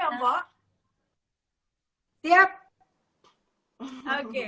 studio ya pak